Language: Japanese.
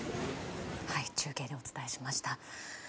中継でお伝えしました。